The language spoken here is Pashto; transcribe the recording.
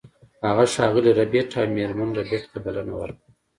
هغه ښاغلي ربیټ او میرمن ربیټ ته بلنه ورکړه